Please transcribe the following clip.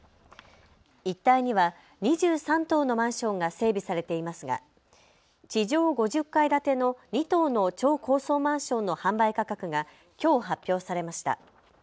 一帯には２３棟のマンションが整備されていますが地上５０階建ての２棟の超高層マンションの販売価格がきょう発表されました。